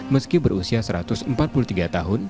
meski berusia satu ratus empat puluh tiga tahun